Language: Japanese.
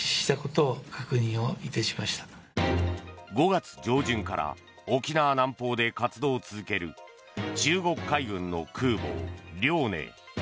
５月上旬から沖縄南方で活動を続ける中国海軍の空母「遼寧」。